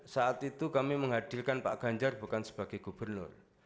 saat itu kami menghadirkan pak ganjar bukan sebagai gubernur